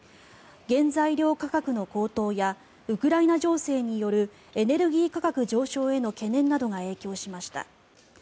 原材料価格の高騰やウクライナ情勢によるエネルギー価格上昇への懸念などが影響しました。